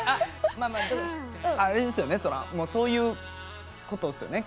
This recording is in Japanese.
そういうことですよね。